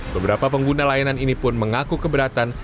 beberapa pengguna layanan ini pun mengaku keberatan